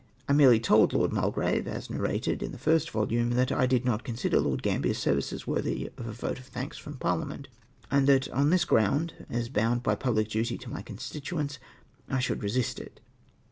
I merely told Lord Mulgrave, as narrated in the first volume, that I did not consider Lord Gambler's services worthy of a vote of thanks from Parhament, and that on this ground, as bound by public duty to my constituents, I should resist it.